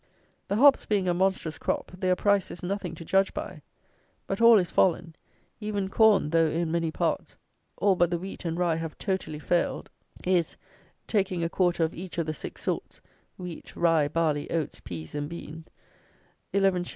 The hops being a monstrous crop, their price is nothing to judge by. But all is fallen. Even corn, though, in many parts, all but the wheat and rye have totally failed, is, taking a quarter of each of the six sorts (wheat, rye, barley, oats, pease, and beans), 11_s.